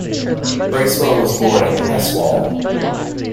Bracewell was born in Heswall.